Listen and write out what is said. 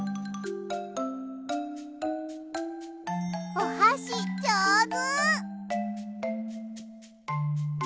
おはしじょうず！